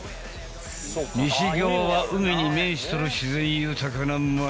西側は海に面してる自然豊かな町。